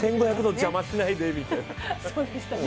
１５００の邪魔しないでみたいな。